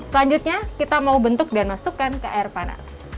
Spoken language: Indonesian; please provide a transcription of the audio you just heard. selanjutnya kita mau bentuk dan masukkan ke air panas